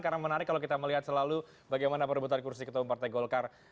karena menarik kalau kita melihat selalu bagaimana perebutan kursi ketemu partai golkar